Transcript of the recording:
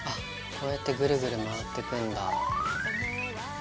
こうやってぐるぐる回ってくんだぁ。